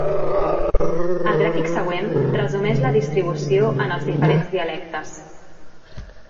El gràfic següent resumeix la distribució en els diferents dialectes.